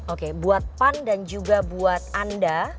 oke buat pan dan juga buat anda